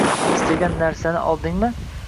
Istagan narsangni oldingmi